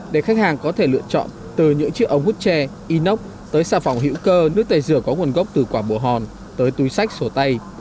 để khách hàng có thể lựa chọn từ những chiếc ống hút tre inox tới sản phẩm hữu cơ nước tây dừa có nguồn gốc từ quả bồ hòn tới túi sách sổ tay